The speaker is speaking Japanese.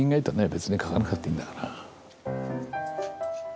別に書かなくたっていいんだから。